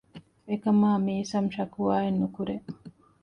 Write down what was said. އެކަމާ މީސަމް ޝަކުވާއެއް ނުކުރޭ